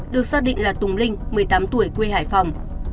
được xác định là tùng linh một mươi tám tuổi quê hải phòng